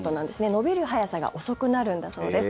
伸びる速さが遅くなるんだそうです。